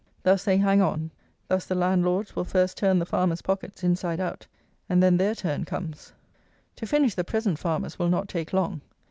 Thus they hang on; thus the landlords will first turn the farmers' pockets inside out; and then their turn comes. To finish the present farmers will not take long.